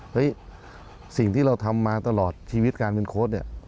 เฮ้ยสิ่งที่เราทำมาตลอดชีวิตการเป็นโค้ช